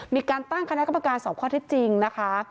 มีการตั้งคณะกรรมการสอบข้อเท็จจริงนะคะ